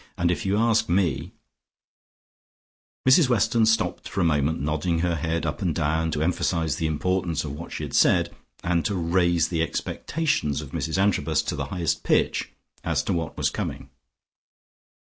And if you ask me " Mrs Weston stopped for a moment, nodding her head up and down, to emphasize the importance of what she had said, and to raise the expectations of Mrs Antrobus to the highest pitch, as to what was coming.